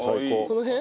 この辺？